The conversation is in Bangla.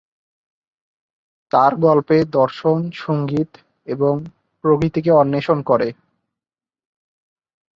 তার গল্পে দর্শন, সংগীত এবং প্রকৃতিকে অন্বেষণ করে।